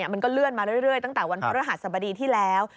มันก็เลื่อนมาเรื่อยตั้งแต่วันพระรหัสสบดีที่แล้ว